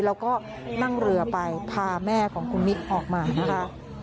แล้วก็นั่งเรือไปพาแม่ของคุณมิ๊กออกมานะคะ